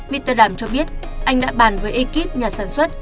peter đàm cho biết anh đã bàn với ekip nhà sản xuất